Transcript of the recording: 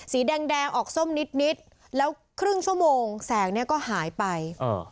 สีแดงแดงออกส้มนิดนิดแล้วครึ่งชั่วโมงแสงเนี่ยก็หายไป